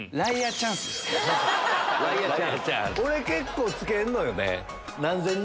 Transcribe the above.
俺結構つけんのよね。